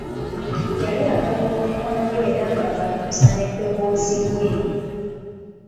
Yali agalula omukono gwe era nga bw'ayimusa n'eddoboozi lye.